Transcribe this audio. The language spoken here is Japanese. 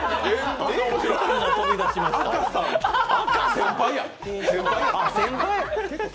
先輩や。